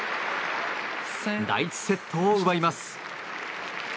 第１セットを奪います。